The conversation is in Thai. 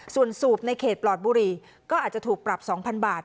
ส่วนสูบในเขตปลอดบุรีก็อาจจะถูกปรับ๒๐๐บาท